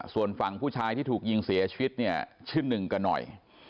ส่วนฝั่งผู้ชายที่ถูกยิงเสียชีวิตเนี่ยชื่อหนึ่งกันหน่อย